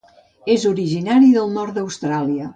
És originari del nord d'Austràlia.